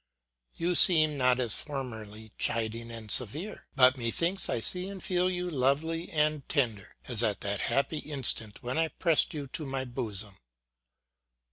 You seem not as formerly chiding and severe ; but methinks I see and feel you lovely and tender, as at that happy instant when I pressed you to my bosom.